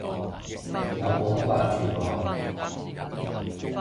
有冇掛住我？